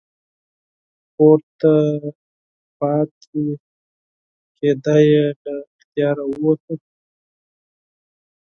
پورته پاتې کیدا یې له اختیاره ووته.